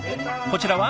こちらは？